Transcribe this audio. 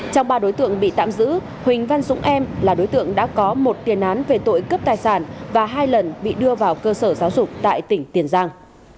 trong ba đối tượng bị tạm giữ huỳnh văn dũng em là đối tượng đã có một tiền án về tội cướp tài sản và hai lần bị đưa vào cơ sở giáo dục tại tỉnh tiền giang